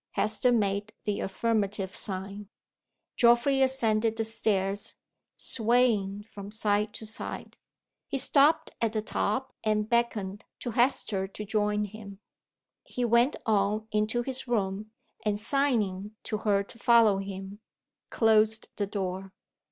Hester made the affirmative sign. Geoffrey ascended the st airs, swaying from side to side. He stopped at the top, and beckoned to Hester to join him. He went on into his room; and, signing to her to follow him, closed the door.